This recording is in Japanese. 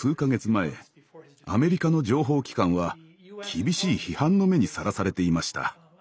前アメリカの情報機関は厳しい批判の目にさらされていました。